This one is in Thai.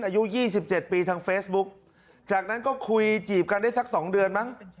อายุ๒๗ปีทางเฟซบุ๊กจากนั้นก็คุยจีบกันได้สัก๒เดือนมั้ง